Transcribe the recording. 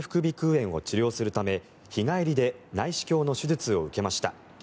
炎を治療するため日帰りで内視鏡の手術を受けました。